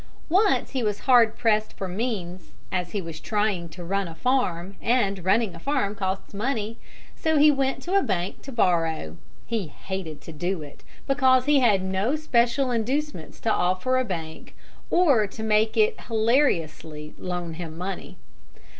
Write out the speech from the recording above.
Once he was hard pressed for means, as he was trying to run a farm, and running a farm costs money: so he went to a bank to borrow. He hated to do it, because he had no special inducements to offer a bank or to make it hilariously loan him money.